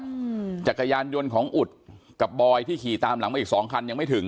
อืมจักรยานยนต์ของอุดกับบอยที่ขี่ตามหลังมาอีกสองคันยังไม่ถึง